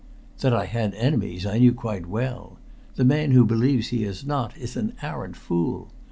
That I had enemies I knew quite well. The man who believes he has not is an arrant fool.